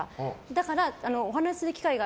だからお話しする機会が。